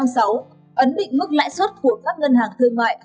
một nghìn chín trăm năm mươi sáu ấn định mức lãi suất của các ngân hàng thương mại